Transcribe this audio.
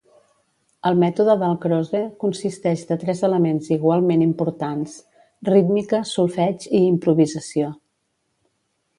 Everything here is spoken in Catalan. El Mètode Dalcroze consisteix de tres elements igualment importants: rítmica, solfeig i improvisació.